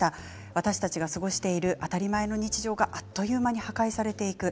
私たちが過ごしている当たり前の日常があっという間に破壊されていく。